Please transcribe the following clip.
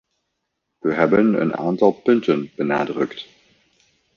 We hebben een aantal punten benadrukt.